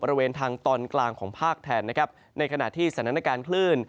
บริเวณทางตอนกลางของภาคแทนนะครับในขณะที่สถานการณ์คลื่น